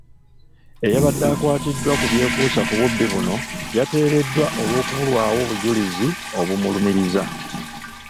Eyabadde akwatiddwa ku byekuusa ku bubbi buno yateereddwa olw'okubulawo obujulizi obumulumiriza.